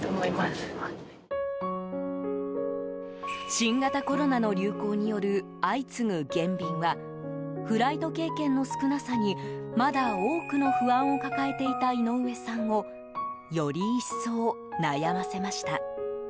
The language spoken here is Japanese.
新型コロナの流行による相次ぐ減便はフライト経験の少なさにまだ多くの不安を抱えていた井上さんをより一層悩ませました。